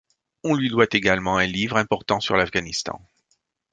On lui doit également un livre important sur l'Afghanistan.